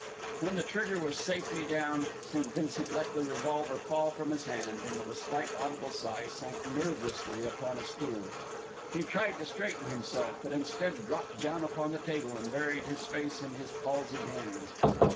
When the trigger was safely down, St. Vincent let the revolver fall from his hand, and with a slight audible sigh sank nervelessly upon a stool. He tried to straighten himself, but instead dropped down upon the table and buried his face in his palsied hands.